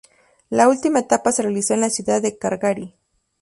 La última etapa se realizó en la ciudad de Calgary.